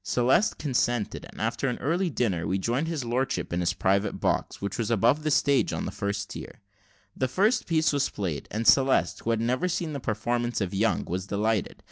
Celeste consented, and after an early dinner, we joined his lordship in his private box, which was above the stage, on the first tier. The first piece was played, and Celeste, who had never seen the performance of Young, was delighted.